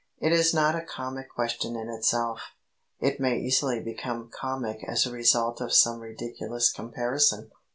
It is not a comic question in itself: it may easily become comic as a result of some ridiculous comparison.